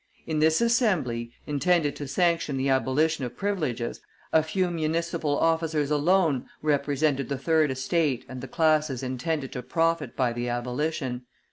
In this Assembly, intended to sanction the abolition of privileges, a few municipal officers alone represented the third estate and the classes intended to profit by the abolition.